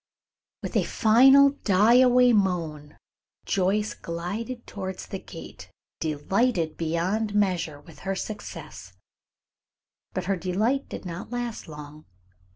With a final die away moan Joyce glided towards the gate, delighted beyond measure with her success; but her delight did not last long.